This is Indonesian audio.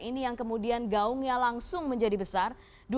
ini yang kemudian gaungnya langsung menjadi besar